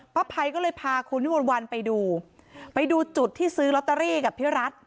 ภัยก็เลยพาคุณวิมนต์วันไปดูไปดูจุดที่ซื้อลอตเตอรี่กับพี่รัฐ